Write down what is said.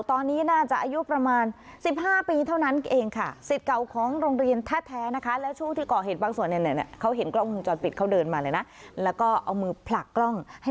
ตอนนี้น่าจะอายุประมาณ๑๕ปีเท่านั้นเองค่ะสิทธิ์เก่าของโรงเรียนแท่นะคะ